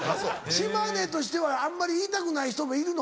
島根としてはあんまり言いたくない人もいるの？